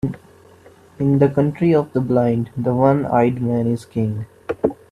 In the country of the blind, the one-eyed man is king.